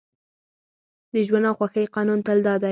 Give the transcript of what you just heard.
د ژوند او خوښۍ قانون تل دا دی